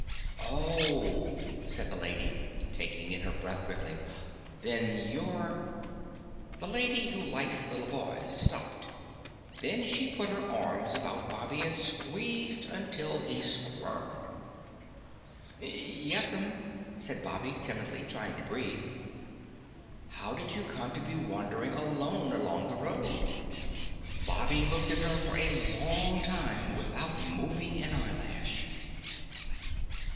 "Oh," said the lady, taking in her breath quickly, "then you're " The Lady Who Likes Little Boys stopped: then she put her arms about Bobby and squeezed till he squirmed. "Yes'm," said Bobby timidly, trying to breathe. "How did you come to be wandering alone along the road?" Bobby looked at her for a long time without moving an eyelash.